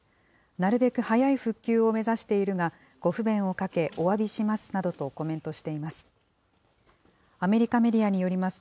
なるべく早い復旧を目指しているが、ご不便をかけ、おわびしますなどとコメントしています。